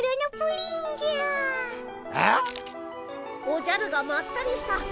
おじゃるがまったりした。